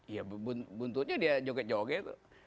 ya buntutnya dia joget joget